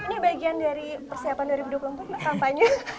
ini bagian dari persiapan dari budok lempuk mbak kampanye